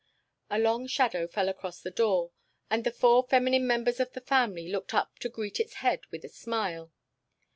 A long shadow fell across the door, and the four feminine members of the family looked up to greet its head with a smile.